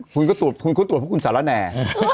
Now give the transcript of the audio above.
คุณก็ตรวจเพราะคุณสารแหน่